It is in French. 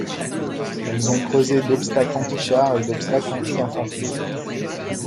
Elles ont creusé d'obstacles antichars et d'obstacles anti-infanterie.